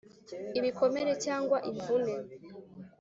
ibikomere cyangwa imvune."